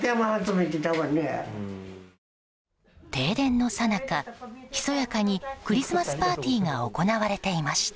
停電のさなか、ひそやかにクリスマスパーティーが行われていました。